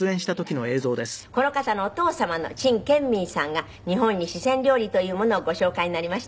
この方のお父様の陳建民さんが日本に四川料理というものをご紹介になりました。